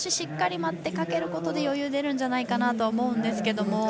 もう少ししっかり待ってかけることで余裕が出るんじゃないかと思うんですけども。